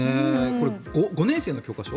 これ、５年生の教科書？